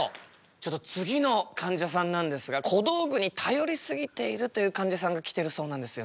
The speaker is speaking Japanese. ちょっと次のかんじゃさんなんですが小道具に頼り過ぎているというかんじゃさんが来てるそうなんですよね。